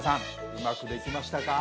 うまくできましたか？